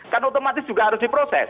kan otomatis juga harus diproses